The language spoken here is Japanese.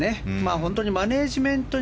本当にマネジメントに